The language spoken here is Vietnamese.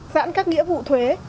giãn các nghĩa vụ thuế